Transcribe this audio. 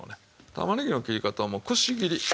玉ねぎの切り方はもうくし切り。